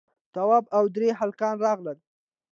تواب او درې هلکان راغلل.